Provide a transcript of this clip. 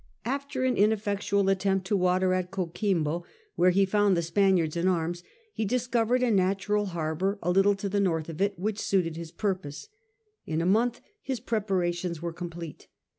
After an ineffectual attempt to water at Coquimbo, where he found the Spaniards in arms, he dis covered a natural harbour a little to the north of it which suited his purpose. In a month his preparations were complete.